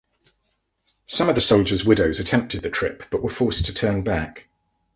Some of the soldiers' widows attempted the trip, but were forced to turn back.